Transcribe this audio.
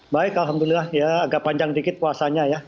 baik alhamdulillah ya agak panjang dikit puasanya ya